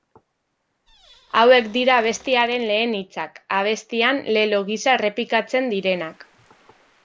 Hauek dira abestiaren lehen hitzak, abestian lelo gisa errepikatzen direnak.